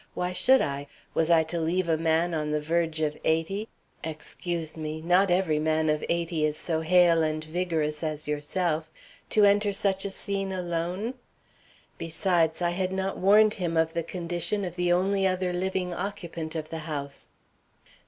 Why should I? Was I to leave a man on the verge of eighty excuse me, not every man of eighty is so hale and vigorous as yourself to enter such a scene alone? Besides, I had not warned him of the condition of the only other living occupant of the house."